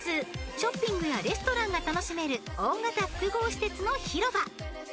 ［ショッピングやレストランが楽しめる大型複合施設の広場］